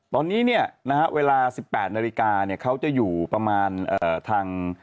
ตอนนี้นะฮะเวลา๑๘นาฬก็จะอยู่ประมาณทาง